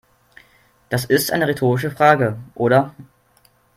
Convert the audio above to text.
Das ist eine rhetorische Frage, oder?